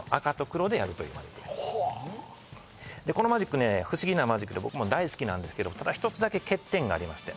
このマジックね不思議なマジックで僕も大好きなんですけど一つだけ欠点がありまして。